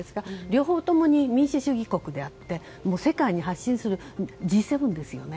両方とも民主主義国であって世界に発信するＧ７ですよね。